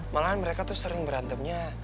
malahan mereka tuh sering berantemnya